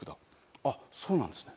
あっそうなんですね。